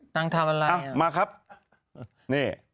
นางทำอะไรอ่ะมาครับนี่